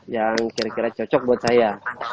yang kira kira cocok buat saya